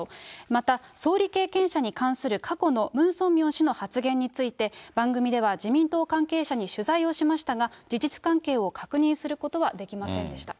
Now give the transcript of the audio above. また、総理経験者に関する過去のムン・ソンミョン氏の発言について、番組では自民党関係者に取材をしましたが、事実関係を確認することはできませんでした。